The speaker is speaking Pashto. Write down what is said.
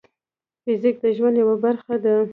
فزیک د ژوند یوه برخه ده.